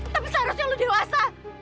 tapi seharusnya lo dewasa